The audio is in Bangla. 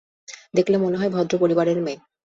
দেখলে মনে হয় ভদ্র পরিবারের মেয়ে।